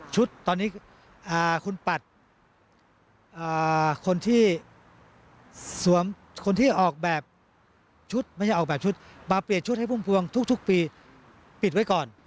ตอนนี้คุณปัดคนที่สวมคนที่ออกแบบชุดไม่ใช่ออกแบบชุดมาเปลี่ยนชุดให้พุ่มพวงทุกปีปิดไว้ก่อน